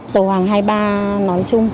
tàu hàng hai mươi ba nói chung